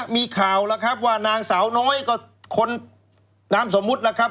มีข่าวล่ะครับว่านางสาวน้อยก็คนน้ำสมมุตรล่ะครับ